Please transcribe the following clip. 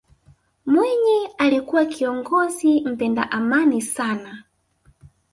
mwinyi alikuwa kiongozi mpenda amani sana